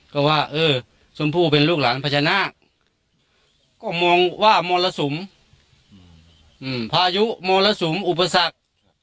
ก็ว่าเออชมพู่เป็นลูกหลานพญานาคก็มองว่ามรสุมพายุมรสุมอุปสรรค